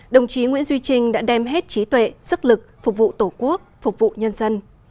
đồng chí nguyễn duy trinh đã đem hết trí tuệ sức lực phục vụ tổ quốc phục vụ nhân dân